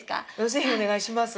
ぜひお願いします！